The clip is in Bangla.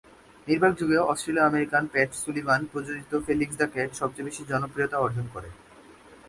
নির্বাক যুগে অস্ট্রেলীয়-আমেরিকান প্যাট সুলিভান প্রযোজিত ফেলিক্স দ্য ক্যাট সবচেয়ে বেশি জনপ্রিয়তা অর্জন করে।